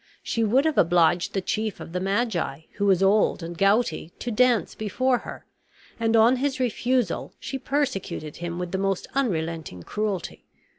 She would have obliged the chief of the magi, who was old and gouty, to dance before her; and on his refusal, she persecuted him with the most unrelenting cruelty.